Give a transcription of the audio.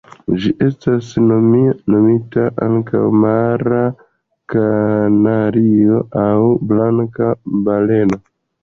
Ĝi estas nomita ankaŭ Mara kanario aŭ Blanka baleno.